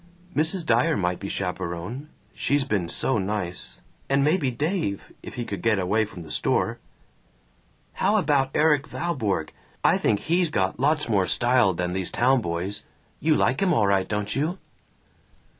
"Mrs. Dyer might be chaperon. She's been so nice. And maybe Dave, if he could get away from the store." "How about Erik Valborg? I think he's got lots more style than these town boys. You like him all right, don't you?"